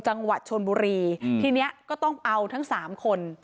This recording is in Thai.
จังหวัดชนบุรีทีนี้ก็ต้องเอาทั้งสามคน